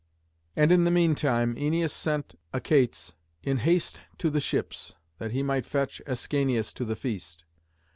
And in the mean time Æneas sent Achates in haste to the ships, that he might fetch Ascanius to the feast.